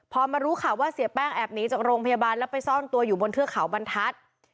พอมารู้ข่าวว่าเสียแป้งแอบหนีจากโรงพยาบาลแล้วไปซ่อนตัวอยู่บนเทือกเขาบรรทัศน์